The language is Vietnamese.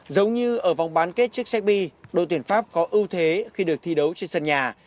giống như ở vòng bán kết trước segp đội tuyển pháp có ưu thế khi được thi đấu trên sân nhà